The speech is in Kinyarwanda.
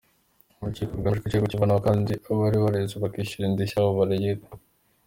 Urukiko rwemeje ko ikirego kivanwaho kandi abari bareze bakishyura indishyi abo baregaga.